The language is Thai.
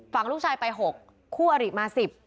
ฝั่งลูกชายไป๖คู่อริมา๑๐